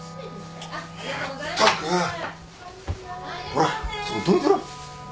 ほらそこどいてろ。